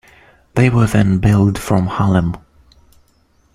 They were then billed from Harlem.